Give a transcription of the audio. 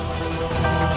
sampai jumpa lagi